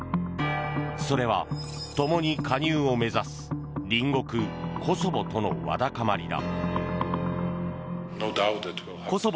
それは、共に加入を目指す隣国コソボとのわだかまりだ。